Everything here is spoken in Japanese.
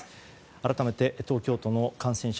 改めて東京都の感染者